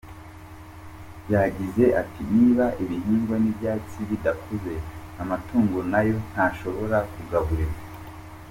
Yagize ati “Niba ibihingwa n’ibyatsi bidakuze, amatungo nayo ntashobora kugaburirwa.